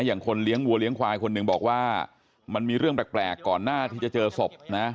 คนเลี้ยงวัวเลี้ยงควายคนหนึ่งบอกว่ามันมีเรื่องแปลกก่อนหน้าที่จะเจอศพนะ